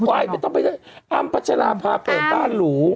ไม่ต้องไปได้อ้ำพัชราภาเปิดบ้านหรู